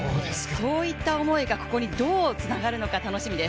そういった思いがここにどうつながるのか楽しみです。